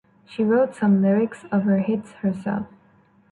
She wrote some lyrics of her hits herself.